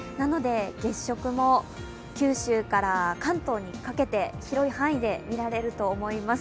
月食も九州から関東にかけて、広い範囲でみられると思います。